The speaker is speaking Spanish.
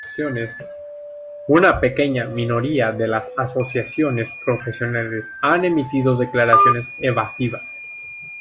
Una pequeña minoría de las asociaciones profesionales han emitido declaraciones evasivas.